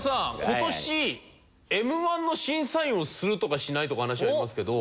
今年Ｍ−１の審査員をするとかしないとか話ありますけど。